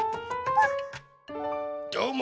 どうも！